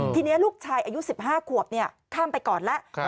ทีนี้ลูกชายอายุ๑๕ขวบข้ามไปก่อนแล้ว